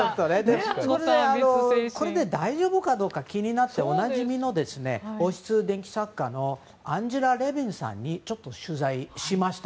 これで大丈夫かどうか気になっておなじみの王室伝記作家のアンジェラ・レヴィンさんに取材しました。